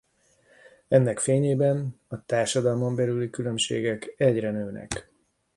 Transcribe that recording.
Ennek fényében a társadalmon belüli különbségek egyre nőnek.